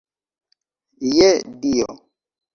Je Dio!